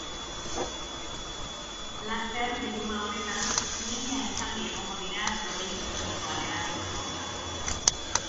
Laster, bilduma honetan, mila esaldi egongo dira domeinu publikoan erabiltzeko.